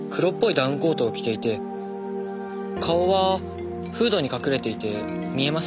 ダウンコートを着ていて顔はフードに隠れていて見えませんでした。